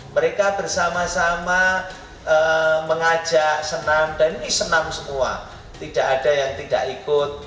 mereka bersama sama mengajak senam dan ini senam semua tidak ada yang tidak ikut